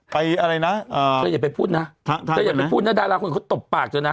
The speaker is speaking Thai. ไปอะไรนะเอ่อทางไปไหนเจ้าอย่าไปพูดนะดาราคนอื่นเขาตบปากเจ้านะ